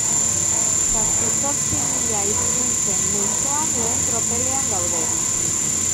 Zazpi-zortzi mila hizkuntzen multzoan lehen tropelean gaude.